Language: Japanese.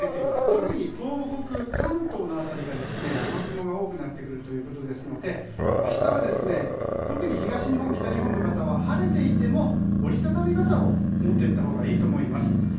特に東北、関東の辺りが雨雲が多くなってくるということで明日は特に東日本、北日本の方は晴れていても折り畳み傘を持って行ったほうがいいと思います。